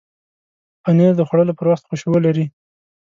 پنېر د خوړلو پر وخت خوشبو لري.